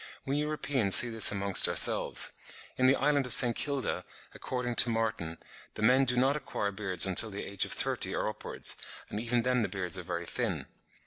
We Europeans see this amongst ourselves. In the Island of St. Kilda, according to Martin (13. 'Voyage to St. Kilda' (3rd ed. 1753), p. 37.), the men do not acquire beards until the age of thirty or upwards, and even then the beards are very thin.